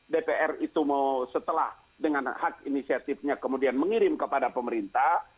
dpr itu mau setelah dengan hak inisiatifnya kemudian mengirim kepada pemerintah